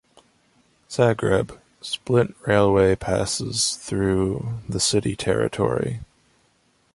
Zagreb - Split railway passes through the city territory.